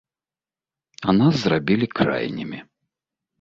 А нас зрабілі крайнімі.